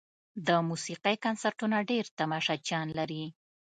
د موسیقۍ کنسرتونه ډېر تماشچیان لري.